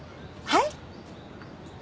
はい。